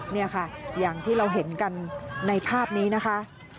นี่ค่ะอย่างที่เราเห็นกันในภาพนี้นะคะ